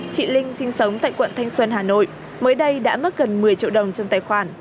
chị linh sinh sống tại quận thanh xuân hà nội mới đây đã mất gần một mươi triệu đồng trong tài khoản